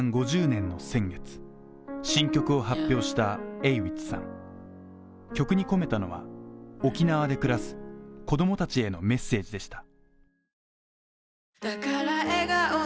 ５０年の先月、新曲を発表したＡｗｉｃｈさん曲に込めたのは、沖縄で暮らす子供たちへのメッセージでした。